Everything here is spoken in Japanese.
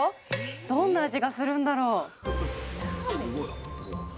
どんな味がするんだろう？